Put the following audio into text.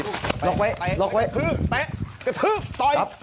แตะกระทืบต่อย